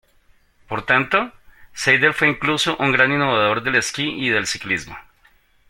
Por tanto, Seidel fue incluso un gran innovador del esquí y del ciclismo.